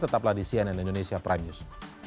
tetaplah di cnn indonesia prime news